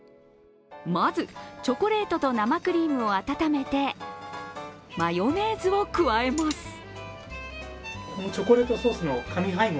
まず、チョコレートと生クリームを温めて、マヨネーズを加えます。